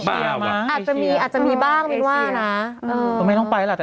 อาจจะมีไหมอาจจะมีบ้างมีล่ะ